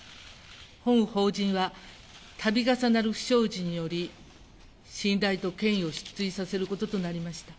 本法人は度重なる不祥事により信頼と権威を失墜させることとなりました。